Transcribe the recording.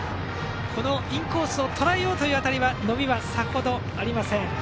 インコースをとらえようという当たりは伸びは、さほどありません。